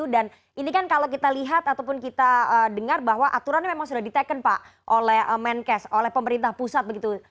dan ini kan kalau kita lihat ataupun kita dengar bahwa aturannya memang sudah diteken pak oleh menkes oleh pemerintah pusat